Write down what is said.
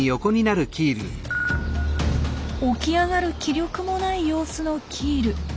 起き上がる気力もない様子のキール。